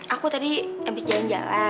aku tadi habis jalan jalan